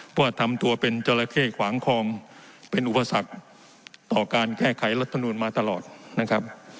เพื่อทำตัวเป็นจราเข้ขวางคลองเป็นอุปสรรคต่อการแก้ไขรัฐมนูลมาตลอดนะครับ